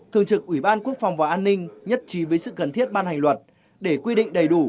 thường trực ủy ban quốc phòng và an ninh nhất trí với sự cần thiết ban hành luật để quy định đầy đủ